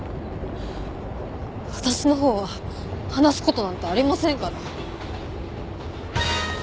私の方は話すことなんてありませんから。